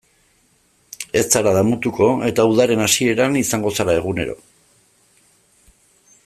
Ez zara damutuko, eta udaren hasieran izango zara egunero.